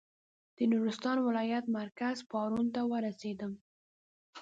د نورستان ولایت مرکز پارون ته ورسېدم.